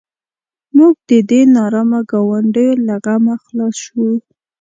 موږ د دې نارامه ګاونډیو له غمه خلاص شوو.